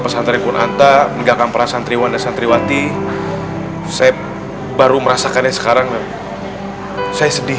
pesantren konanta meninggalkan para santriwan dan santriwati saya baru merasakannya sekarang saya sedih